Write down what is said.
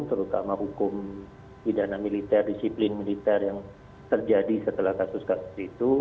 terutama hukum pidana militer disiplin militer yang terjadi setelah kasus kasus itu